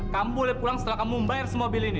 kamu boleh pulang setelah kamu membayar semua bill ini